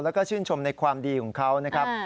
แล้วก็ชื่นชมในความดีของเขานะครับ